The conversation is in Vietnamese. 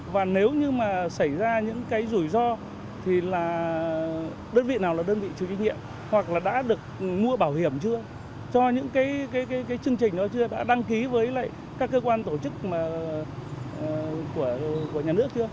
và nếu như mà xảy ra những cái rủi ro thì là đơn vị nào là đơn vị trừ kinh nghiệm hoặc là đã được mua bảo hiểm chưa cho những cái chương trình đó chưa đã đăng ký với các cơ quan tổ chức của nhà nước chưa